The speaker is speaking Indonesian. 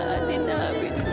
aku terlalu berharga